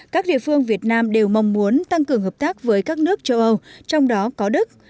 các địa phương việt nam đều mong muốn tăng cường hợp tác với các nước châu âu trong đó có đức